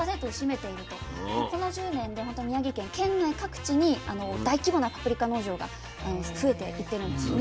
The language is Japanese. この１０年でほんと宮城県県内各地に大規模なパプリカ農場が増えていってるんですよね。